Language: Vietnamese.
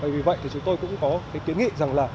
vì vậy chúng tôi cũng có kiến nghị rằng là